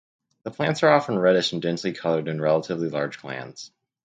The plants are often reddish and densely covered in relatively large glands.